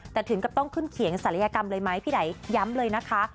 แต่ถึงกับต้องขึ้นเขียงศัลยกรรมเลยไหมพี่ไหนย้ำเลยนะคะ